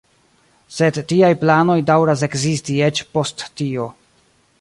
Sed tiaj planoj daŭras ekzisti eĉ post tio.